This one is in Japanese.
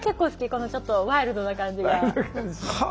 このちょっとワイルドな感じが。